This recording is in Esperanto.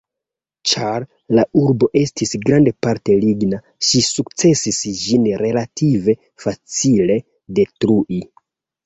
Ĉar la urbo estis grandparte ligna, ŝi sukcesis ĝin relative facile detrui.